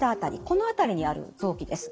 この辺りにある臓器です。